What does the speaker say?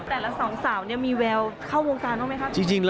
แต่ละสองสาวเนี่ยมีแววเข้าวงการบ้างไหมครับ